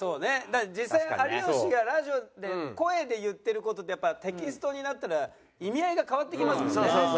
だから実際有吉がラジオで声で言ってる事ってやっぱテキストになったら意味合いが変わってきますもんね。